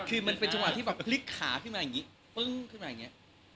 คือเป็นจังหวะที่พลิกขาขึ้นมาแบบนี้